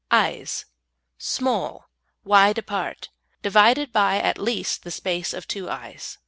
EYES Small, wide apart, divided by at least the space of two eyes.